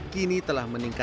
kini telah meningkat